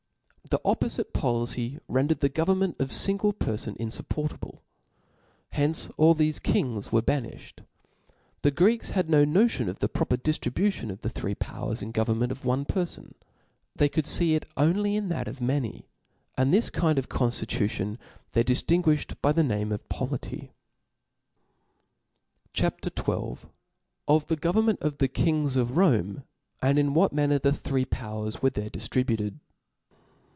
The oppofite policy rendered the government of a (ingle perfon infop porcable. Hence all thefc kings were bani(hed« The Greeks had no notion of the proper diftribu tion of the three powers in the government of one perfon; they could fee it only in that of many; and this kind of con(Htution they diftingui(hed by <H) Arif. the name oiPolUy (*"). tot. Polit. Book 4. oiap.s. CHAP. XIL Of the Government of the Kings of Rome^ and in what Manner the three Powers were there dijiributed.